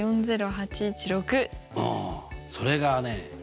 あそれがね